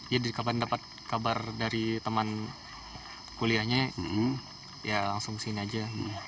ya dari kapan dapet kabar dari teman kuliahnya ya langsung sini aja